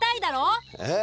えっ？